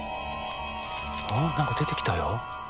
何か出てきたよ。